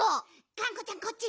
がんこちゃんこっち。